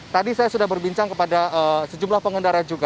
tadi saya sudah berbincang kepada sejumlah pengendara juga